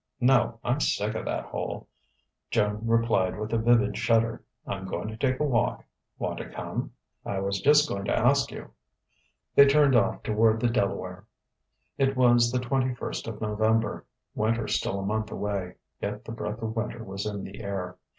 "No; I'm sick of that hole," Joan replied with a vivid shudder. "I'm going to take a walk. Want to come?" "I was just going to ask you." They turned off toward the Delaware. It was the twenty first of November winter still a month away; yet the breath of winter was in the air.